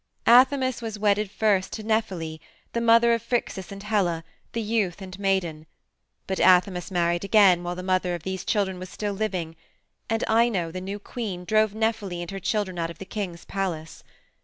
"Athamas was wedded first to Nephele, the mother of Phrixus and Helle, the youth and maiden. But Athamas married again while the mother of these children was still living, and Ino, the new queen, drove Nephele and her children out of the king's palace.